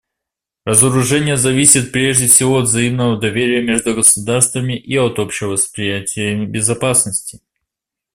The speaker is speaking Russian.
Разоружение зависит прежде всего от взаимного доверия между государствами и от общего восприятия безопасности.